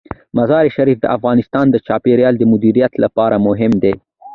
مزارشریف د افغانستان د چاپیریال د مدیریت لپاره مهم دي.